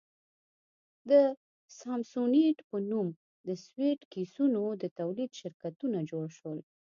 د سامسونیټ په نوم د سویټ کېسونو د تولید شرکتونه جوړ شول.